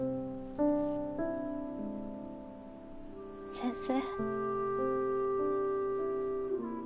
先生。